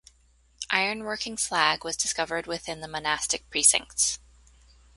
Iron working slag was discovered within the monastic precincts.